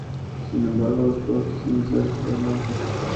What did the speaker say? Sin embargo, los costos iniciales fueron altos.